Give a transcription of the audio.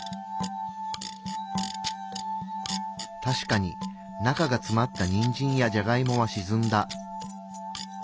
確かに中がつまったにんじんやじゃがいもはしずんだ。